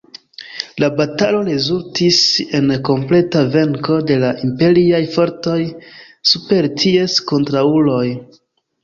La batalo rezultis en kompleta venko de la Imperiaj fortoj super ties kontraŭuloj.